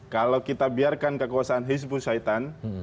kalau kita biarkan kekuasaan hizb ut syaitan